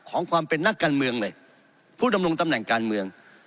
ของความเป็นนักการเมืองเลยผู้ดำรงตำแหน่งการเมือง